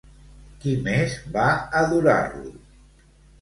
Qui més va adorar-lo?